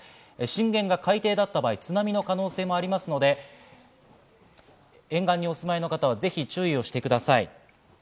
震源が海底だった場合、津波の可能性もありますので、沿岸にお住まいの方はぜひ注意してください。